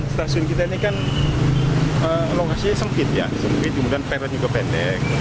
stasiun kita ini kan lokasinya sempit ya sempit kemudian peron juga pendek